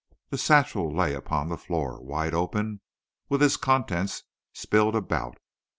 The satchel lay upon the floor, wide open, with its contents spilled about.